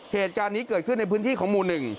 เหตุการณ์นี้เกิดขึ้นในพื้นที่ของหมู่๑